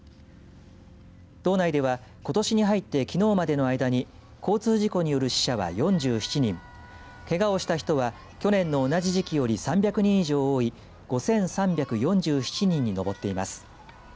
道内では、ことしに入ってきのうまでの間に交通事故による死者は４７人けがをした人は去年の同じ時期より３００人以上多い５３４７人に上っています。